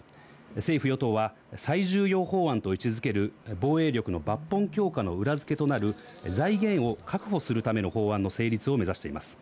政府与党は最重要法案と位置付ける防衛力の抜本強化の裏付けとなる財源を確保するための法案の成立を目指しています。